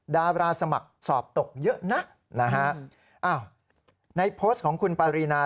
ดาราสมัครสอบตกเยอะนะในโพสต์ของคุณปารีนา